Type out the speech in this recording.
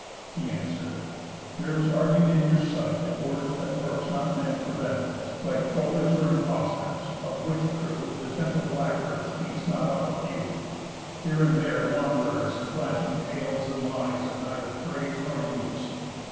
He answer'd: "There is argued in your sight A worth that works not men for benefit, Like prollers or impostors; of which crew, The gentle black earth feeds not up a few, Here and there wand'rers, blanching tales and lies, Of neither praise, nor use.